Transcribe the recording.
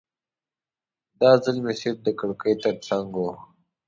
دا ځل مې سیټ د کړکۍ ترڅنګ و.